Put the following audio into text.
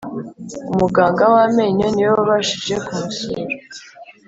umuganga w amenyo niwe wabashije kumusura